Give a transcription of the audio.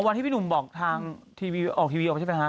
วันที่พี่หนุ่มบอกทางทีวีออกใช่ไหมครับ